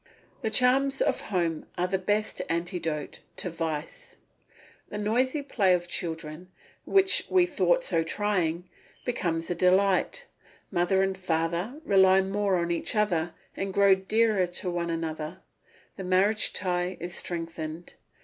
The charms of home are the best antidote to vice. The noisy play of children, which we thought so trying, becomes a delight; mother and father rely more on each other and grow dearer to one another; the marriage tie is strengthened.